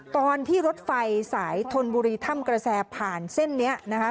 ตอนที่รถไฟสายธนบุรีถ้ำกระแสผ่านเส้นนี้นะคะ